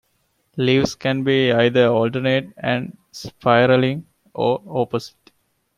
Leaves can be either alternate and spiraling, or opposite.